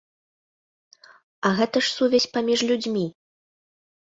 А гэта ж сувязь паміж людзьмі.